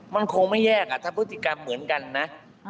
มันคงไม่แยกถ้าพฤติกรรมเหมือนกันนะ